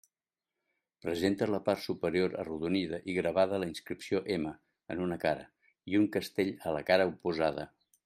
Presenta la part superior arrodonida i gravada la inscripció M, en una cara, i un castell a la cara oposada.